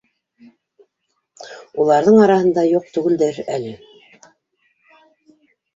— Уларҙың араһында юҡ түгелдер әле